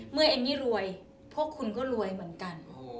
เอมมี่รวยพวกคุณก็รวยเหมือนกัน